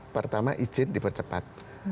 pertama izin dipercepat